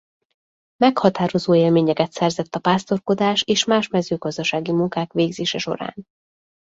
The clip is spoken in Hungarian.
Meghatározó élményeket szerzett a pásztorkodás és más mezőgazdasági munkák végzése során.